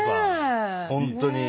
本当に。